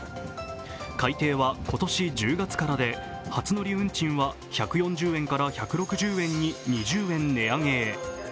海底は今年１０月からで初乗り運賃は１４０円から１６０円に２０円値上げへ。